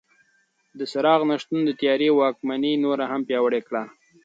د څراغ نه شتون د تیارې واکمني نوره هم پیاوړې کړه.